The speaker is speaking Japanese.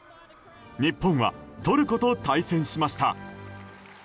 日本はトルコと対戦しました。